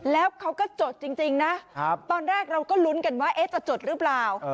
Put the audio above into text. แล้วเขาก็จดจริงนะตอนแรกเราก็ลุ้นกันว่าจะจดหรือเปล่า